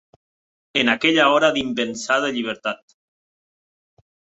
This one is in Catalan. En aquella hora d'impensada llibertat.